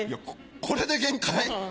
これで限界？